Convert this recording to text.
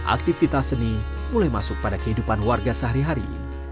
aktivitas seni mulai masuk pada kehidupan warga sehari hari